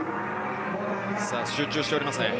集中しておりますね。